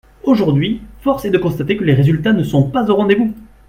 Aujourd’hui, force est de constater que les résultats ne sont pas au rendez-vous.